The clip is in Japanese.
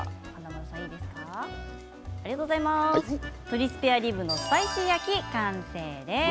鶏スペアリブのスパイシー焼き完成です。